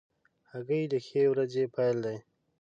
هګۍ د ښې ورځې پیل دی.